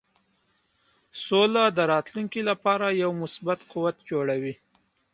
سوله د راتلونکې لپاره یو مثبت قوت جوړوي.